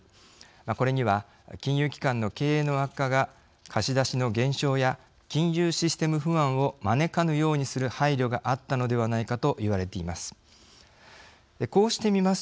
これには金融機関の経営の悪化が貸し出しの減少や金融システム不安を招かぬようにする配慮があったのではないかといわれています。